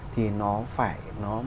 thì nó phải